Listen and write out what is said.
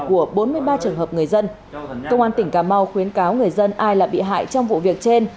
của bốn mươi ba trường hợp người dân công an tỉnh cà mau khuyến cáo người dân ai là bị hại trong vụ việc trên